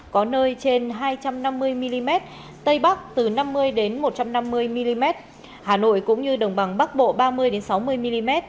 có nơi trên hai trăm năm mươi mm tây bắc từ năm mươi một trăm năm mươi mm hà nội cũng như đồng bằng bắc bộ ba mươi sáu mươi mm